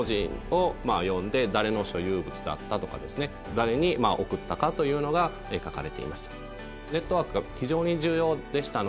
誰に送ったかというのが書かれていました。